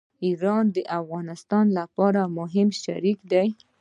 ایران د افغانستان لپاره مهم شریک دی.